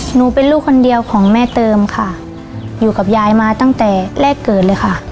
หนูเป็นลูกคนเดียวของแม่เติมค่ะอยู่กับยายมาตั้งแต่แรกเกิดเลยค่ะ